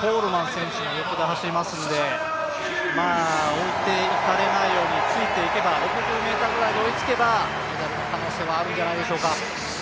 コールマン選手の横で走りますので、置ていかれないようについていけば、６０ｍくらいまで追いついていけばメダルの可能性があるんじゃないでしょうか。